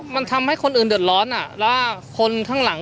มันทำให้คนอื่นเดือดร้อนอ่ะแล้วคนข้างหลัง